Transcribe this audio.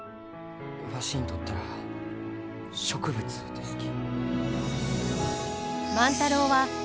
わしにとったら植物ですき。